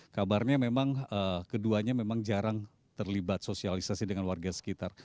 kabarnya memang keduanya memang jarang terlibat sosialisasi dengan warga sekitar